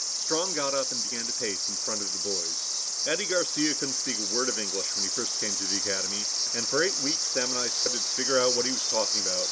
Strong got up and began to pace in front of the boys. "Addy Garcia couldn't speak a word of English when he first came to the Academy. And for eight weeks Sam and I sweated to figure out what he was talking about.